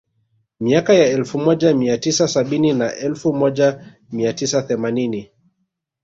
Miaka ya elfu moja mia tisa sabini na elfu moja mia tisa themanini